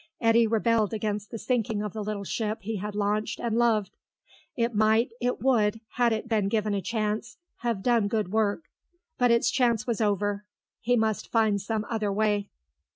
Eddy rebelled against the sinking of the little ship he had launched and loved; it might, it would, had it been given a chance, have done good work. But its chance was over; he must find some other way.